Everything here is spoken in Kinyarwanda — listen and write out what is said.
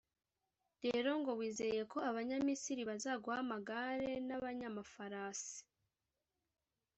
Rero ngo wizeye ko Abanyamisiri bazaguha amagare n’abanyamafarasi !